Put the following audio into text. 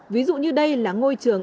ví dụ như đây là ngôi trường